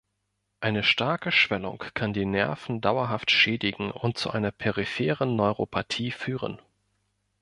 Eine starke Schwellung kann die Nerven dauerhaft schädigen und zu einer peripheren Neuropathie führen.